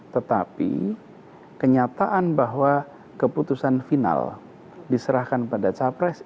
tetapi kenyataan bahwa keputusan final diserahkan pada capres